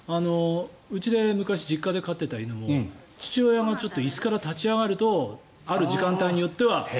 うちで昔、実家で飼っていた犬も父親が椅子から立ち上がるとある時間帯によっては。